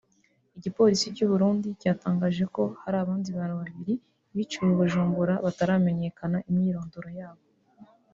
Igipolisi cy’u Burundi cyatangaje ko hari abandi bantu babiri biciwe i Bujumbura bataramenyekana imyirondoro yabo